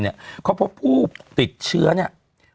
เค้ามาพบผู้ติดเชื้อนี่